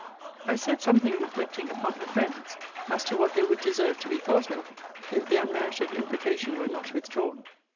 I said something reflecting upon her friends; as to what they would deserve to be thought of, if the unmerited imprecation were not withdrawn.